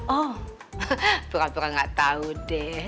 oh pura pura gak tau deh